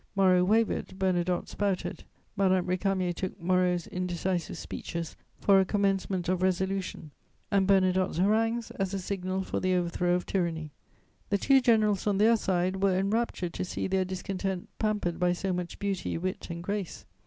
Moreau wavered, Bernadotte spouted. Madame Récamier took Moreau's indecisive speeches for a commencement of resolution and Bernadotte's harangues as a signal for the overthrow of tyranny. The two generals, on their side, were enraptured to see their discontent pampered by so much beauty, wit and grace.